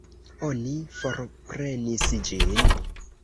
Oni forprenis ĝin.